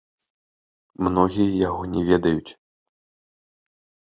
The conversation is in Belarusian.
Многія яго не ведаюць.